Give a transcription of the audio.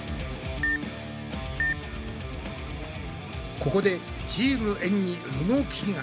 ここでチームエんに動きが！